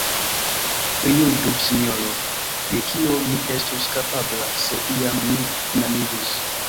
Prijuĝu, sinjoro, je kio mi estus kapabla, se iam mi enamiĝus!